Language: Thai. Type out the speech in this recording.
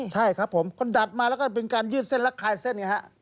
ใช่ครับคนดัดมาแล้วก็เป็นการยืดเส้นและคลายเส้น